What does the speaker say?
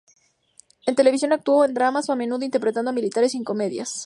En televisión actuó en dramas, a menudo interpretando a militares, y en comedias.